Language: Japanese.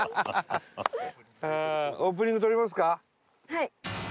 はい。